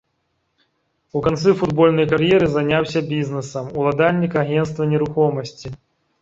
У канцы футбольнай кар'еры заняўся бізнесам, уладальнік агенцтва нерухомасці.